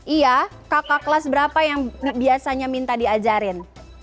iya kakak kelas berapa yang biasanya minta diajarin